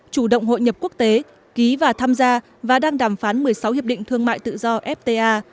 chủ động hội nhập quốc tế ký và tham gia và đang đàm phán một mươi sáu hiệp định thương mại tự do fta